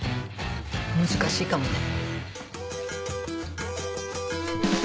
難しいかもね。